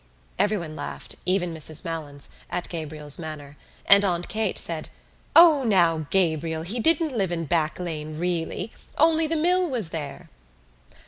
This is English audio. Everyone laughed, even Mrs Malins, at Gabriel's manner and Aunt Kate said: "O now, Gabriel, he didn't live in Back Lane, really. Only the mill was there."